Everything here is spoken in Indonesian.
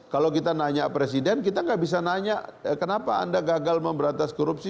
kalau kita nanya presiden kita nggak bisa nanya kenapa anda gagal memberantas korupsi